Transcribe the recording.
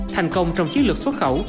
thành công trong chiến lược xuất khẩu